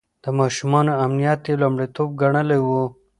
د ماشومانو امنيت يې لومړيتوب ګڼلی و.